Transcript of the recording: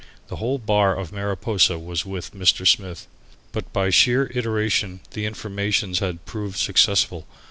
The whole bar of Mariposa was with Mr. Smith. But by sheer iteration the informations had proved successful.